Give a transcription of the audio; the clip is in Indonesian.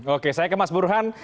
oke saya ke mas burhan